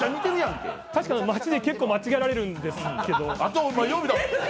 確かに、街でよく間違えられるんですけど。